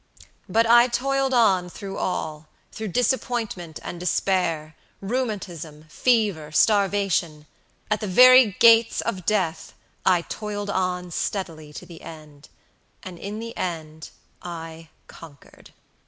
But I toiled on through all; through disappointment and despair, rheumatism, fever, starvation; at the very gates of death, I toiled on steadily to the end; and in the end I conquered."